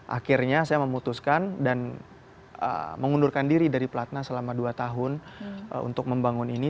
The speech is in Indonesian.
akhirnya saya memutuskan dan mengundurkan diri dari platna selama dua tahun untuk membangun ini